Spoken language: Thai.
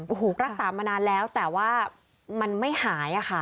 โอ้โหรักษามานานแล้วแต่ว่ามันไม่หายค่ะ